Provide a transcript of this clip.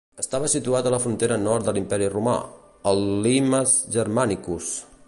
Estava situat a la frontera nord de l'imperi Romà, el "Limes Germanicus".